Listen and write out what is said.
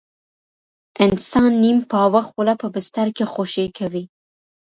انسان نیم پاوه خوله په بستر کې خوشې کوي.